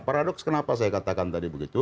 paradoks kenapa saya katakan tadi begitu